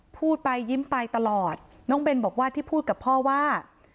พูดไปยิ้มไปตลอดน้องเบนบอกว่าที่พูดกับพ่อว่า